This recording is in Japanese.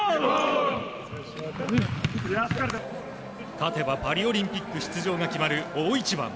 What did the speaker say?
勝てばパリオリンピック出場が決まる大一番。